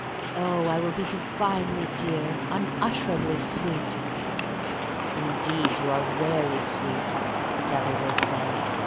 Oh, I will be divinely dear, unutterably sweet!" "Indeed you are rarely sweet," the Devil will say.